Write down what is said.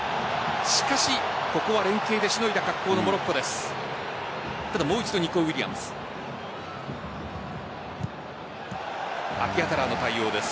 しかしここは連携でしのいだ格好のモロッコです。